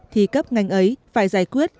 thì cấp ngành ấy phải giải quyết